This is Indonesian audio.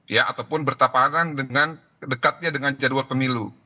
ya ataupun bertapahan dengan dekatnya dengan jadwal pemilu